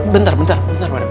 bentar bentar bentar madem